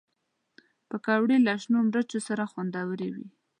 پکورې له شنو مرچو سره خوندورې وي